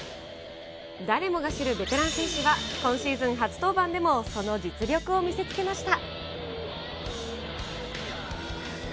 誰もが知るベテラン選手が今シーズン初登板でもその実力を見せつけました。